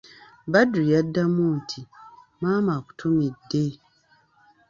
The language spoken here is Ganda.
Badru yaddamu nti:"maama akutumidde"